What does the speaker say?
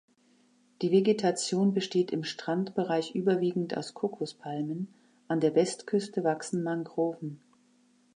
Die Vegetation besteht im Strandbereich überwiegend aus Kokospalmen, an der Westküste wachsen Mangroven.